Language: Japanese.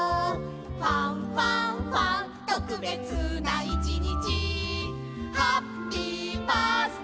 「ファンファンファン特別な一日」